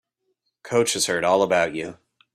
Coach has heard all about you.